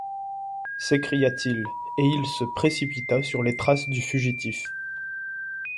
s’écria-t-il, et il se précipita sur les traces du fugitif.